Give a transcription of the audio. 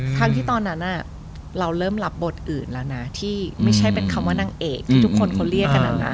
ทั้งที่ตอนนั้นเราเริ่มรับบทอื่นแล้วนะที่ไม่ใช่เป็นคำว่านางเอกที่ทุกคนเขาเรียกกันนะนะ